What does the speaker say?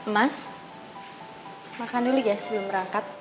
mas makan dulu ya sebelum berangkat